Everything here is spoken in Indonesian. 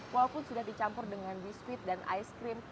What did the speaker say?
walaupun sudah dicampur dengan biskuit dan es krim